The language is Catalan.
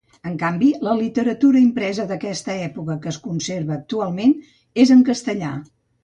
En canvi, la literatura impresa d'aquesta època que es conserva actualment és en castellà.